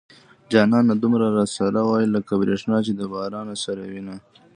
جانانه دومره را سره واي لکه بريښنا چې د بارانه سره وينه